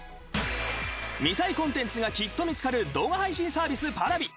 見たいコンテンツがきっと見つかる動画配信サービスＰａｒａｖｉ。